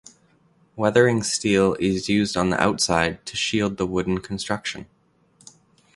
Weathering steel is used on the outside to shield the wooden construction.